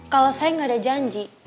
kalo saya gak ada janji